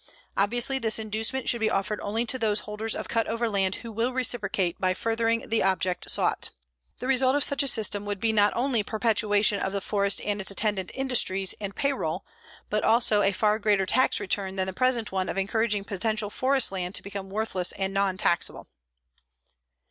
Obviously this inducement should be offered only to those holders of cut over land who will reciprocate by furthering the object sought. The result of such a system would be not only perpetuation of the forest and its attendant industries and payroll, but also a far greater tax return than the present one of encouraging potential forest land to become worthless and non taxable.